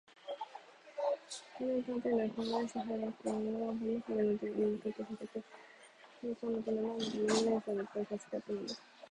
少年探偵団長小林芳雄君は、小娘のお手伝いさんに化けて、大鳥時計店にはいりこんでいたのです。まんまと二十面相にいっぱい食わせてしまったのです。